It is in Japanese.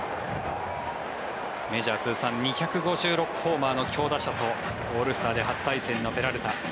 メジャー通算２５６ホーマーの強打者とオールスターで初対戦のペラルタ。